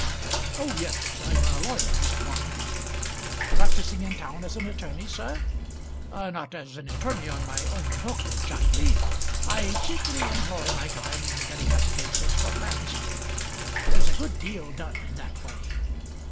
"Oh yes; I'm a lawyer, Mr. Dockwrath." "Practising in town as an attorney, sir?" "Not as an attorney on my own hook exactly. I chiefly employ my time in getting up cases for barristers. There's a good deal done in that way."